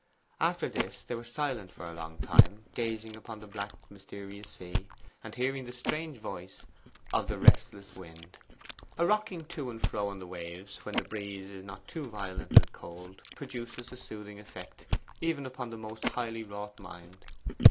After this they were silent for a long time, gazing upon the black mysterious sea, and hearing the strange voice of the restless wind. A rocking to and fro on the waves, when the breeze is not too violent and cold, produces a soothing effect even upon the most highly wrought mind.